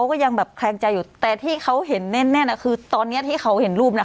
ก็ยังแบบแคลงใจอยู่แต่ที่เขาเห็นแน่นแน่นอ่ะคือตอนเนี้ยที่เขาเห็นรูปน่ะ